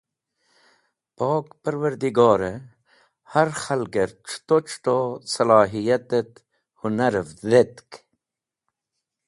Pok Parwardigore har Khalger C̃huto C̃huto Salahiyat et Hunarev dhetk.